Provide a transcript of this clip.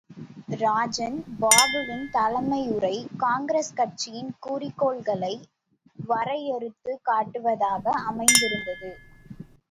ராஜன் பாபுவின் தலைமை உரை காங்கிரஸ் கட்சியின் குறிக்கோள்களை வரையறுத்துக் காட்டுவதாக அமைந்திருந்தது.